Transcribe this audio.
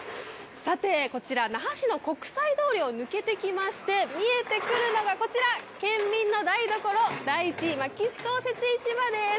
さて、こちら那覇市の国際通りを抜けてきまして、見えてくるのがこちら、県民の台所、第１牧志公設市場です。